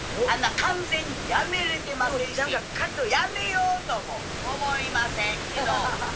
完全にやめれてませんしやめようとも思いませんけど。